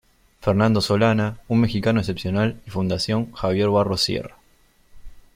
Fernando Solana, un Mexicano Excepcional y Fundación Javier Barros Sierra.